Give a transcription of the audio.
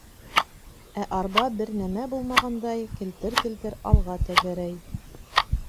Ә арба, бер нәмә булмағандай, келтер-келтер алға тәгәрәй...